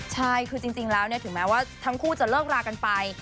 ใช่คือจริงแล้วถึงแม้ว่าทั้งคู่จะเลิกรากันไป